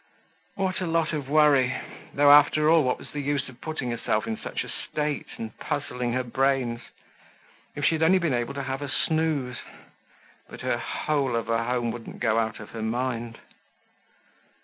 What a lot of worry! Though, after all, what was the use of putting herself in such a state and puzzling her brains? If she had only been able to have a snooze. But her hole of a home wouldn't go out of her mind.